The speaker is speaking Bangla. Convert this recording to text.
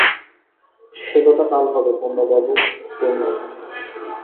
সে কথা কাল হবে পূর্ণবাবু– পূর্ণ।